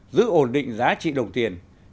giữ ổn định giá trị đồng tiền